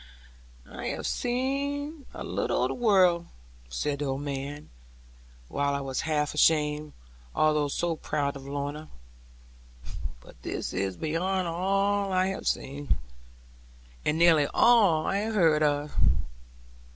'I have seen a little o' the world,' said the old man, while I was half ashamed, although so proud of Lorna; 'but this is beyond all I have seen, and nearly all I have heard of.